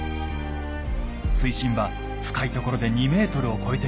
水深は深いところで２ｍを超えています。